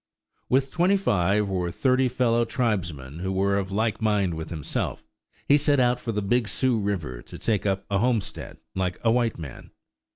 With twenty five or thirty fellow tribesmen who were of like mind with himself, he set out for the Big Sioux River to take up a homestead like a white man.